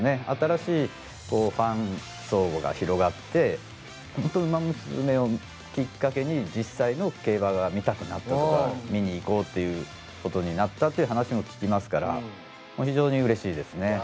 新しいこうファン層が広がってほんと「ウマ娘」をきっかけに実際の競馬が見たくなったとか見に行こうっていうことになったって話も聞きますからもう非常にうれしいですね。